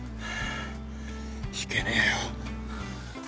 引けねえよ。